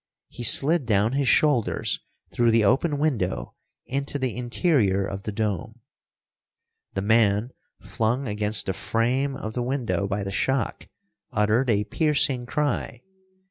He slid down his shoulders through the open window into the interior of the dome. The man, flung against the frame of the window by the shock, uttered a piercing cry.